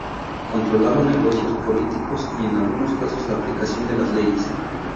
Controlaba negocios, políticos y en algunos casos la aplicación de las leyes.